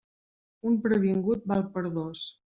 Un previngut val per dos.